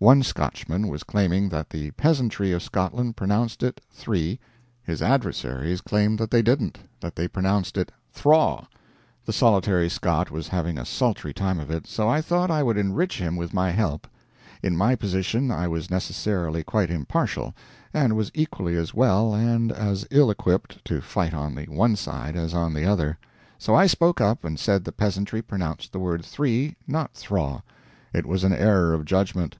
One Scotchman was claiming that the peasantry of Scotland pronounced it three, his adversaries claimed that they didn't that they pronounced it 'thraw'. The solitary Scot was having a sultry time of it, so I thought I would enrich him with my help. In my position I was necessarily quite impartial, and was equally as well and as ill equipped to fight on the one side as on the other. So I spoke up and said the peasantry pronounced the word three, not thraw. It was an error of judgment.